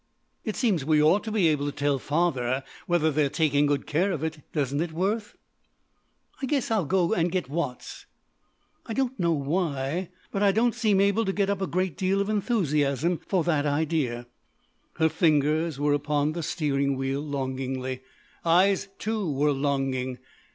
"It seems we ought to be able to tell father whether they're taking good care of it, doesn't it, Worth?" "I guess I'll go and get Watts." "I don't know why, but I don't seem able to get up a great deal of enthusiasm for that idea." Her fingers were upon the steering wheel, longingly. Eyes, too, were longing.